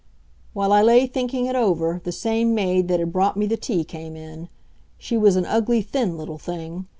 While I lay thinking it over, the same maid that had brought me the tea came in. She was an ugly, thin little thing.